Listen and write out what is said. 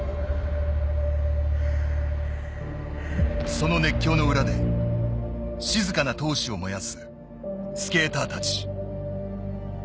その熱狂の裏で静かな闘志を燃やすスケーターたち。